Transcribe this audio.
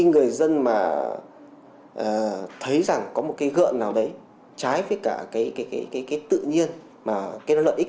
người dân mà thấy rằng có một cái gợn nào đấy trái với cả cái cái cái cái cái tự nhiên mà cái lợi ích